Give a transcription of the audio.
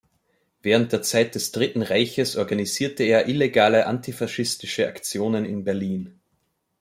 Während der Zeit des Dritten Reiches organisierte er illegale antifaschistische Aktionen in Berlin.